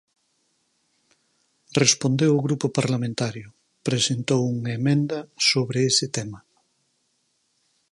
Respondeu o grupo parlamentario, presentou unha emenda sobre ese tema.